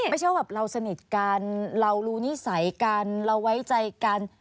ไม่ใช่ว่าแบบเราสนิทกันเรารู้นิสัยกันเราไว้ใจกัน